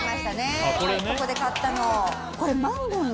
これ。